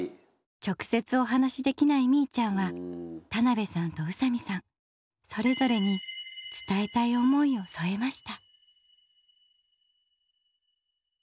直接お話できないみいちゃんは田辺さんと宇佐美さんそれぞれに伝えたい思いをそえました。